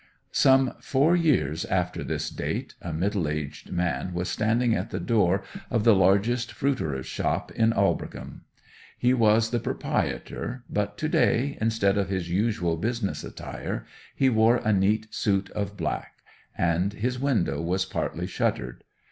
Some four years after this date a middle aged man was standing at the door of the largest fruiterer's shop in Aldbrickham. He was the proprietor, but to day, instead of his usual business attire, he wore a neat suit of black; and his window was partly shuttered.